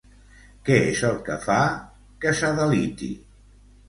Què és el que el fa que s'adeliti?